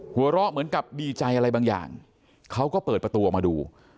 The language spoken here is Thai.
หัวเราะเหมือนกับดีใจอะไรบางอย่างเขาก็เปิดประตูออกมาดู